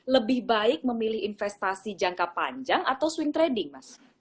lebih baik memilih investasi jangka panjang atau swing trading mas